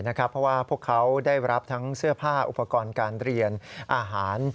เพราะว่าพวกเขาได้รับทั้งเสื้อผ้าอุปกรณ์การเรียนอาหาร